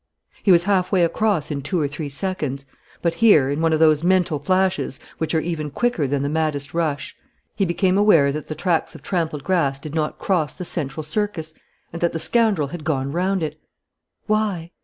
He was halfway across in two or three seconds. But here, in one of those mental flashes which are even quicker than the maddest rush, he became aware that the tracks of trampled grass did not cross the central circus and that the scoundrel had gone round it. Why?